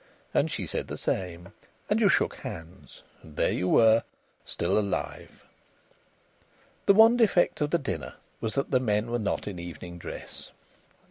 And she said the same. And you shook hands. And there you were, still alive! The one defect of the dinner was that the men were not in evening dress.